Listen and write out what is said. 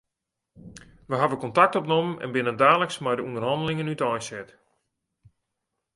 Wy hawwe kontakt opnommen en binne daliks mei de ûnderhannelingen úteinset.